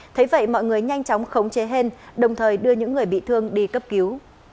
thấy vậy mọi người nhanh chóng khống chế hên đồng thời đưa những người bị thương đi cấp cứu